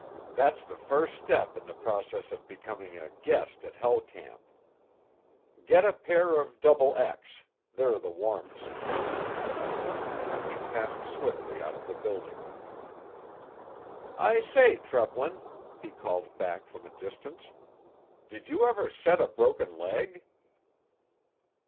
That's the first step in the process of becoming a—guest at Hell Camp. Get a pair of XX; they're the warmest." He passed swiftly out of the building. "I say, Treplin," he called back from a distance, "did you ever set a broken leg?"